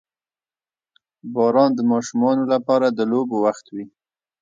• باران د ماشومانو لپاره د لوبو وخت وي.